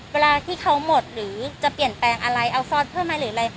เวลาที่เขาหมดหรือจะเปลี่ยนแปลงอะไรเอาซ่อนเพิ่มไหมหรืออะไร